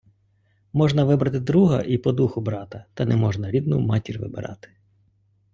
Можна вибрати друга і по духу брата, та не можна рідну матір вибирати